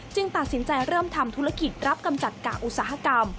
ตัดสินใจเริ่มทำธุรกิจรับกำจัดกะอุตสาหกรรม